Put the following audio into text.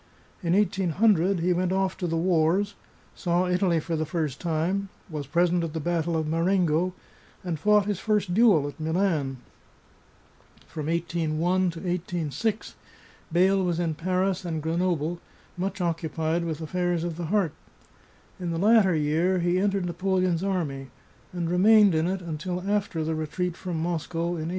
In 1800 he went off to the wars, saw Italy for the first time, was present at the battle of Marengo, and fought his first duel at Milan. From 1801 to 1806 Beyle was in Paris and Grenoble, much occupied with affairs of the heart. In the latter year he entered Napoleon's army, and remained in it until after the retreat from Moscow m 1814.